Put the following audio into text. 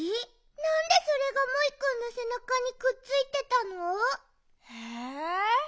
なんでそれがモイくんのせなかにくっついてたの？え？